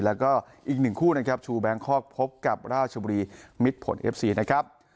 แล้วก็อีกหนึ่งคู่นะครับชูแบงคอกพบกับราชบุรีมิดผลเอฟซีนะครับ